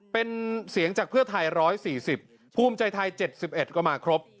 เป็นเสียงจากเพื่อไทย๑๔๐ภูมิใจไทย๗๑ก็มาครบ